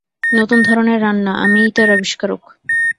নতুন ধরনের রান্না, আমিই তার আবিষ্কারক।